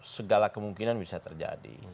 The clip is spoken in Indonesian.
segala kemungkinan bisa terjadi